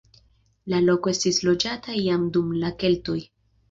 La loko estis loĝata jam dum la keltoj.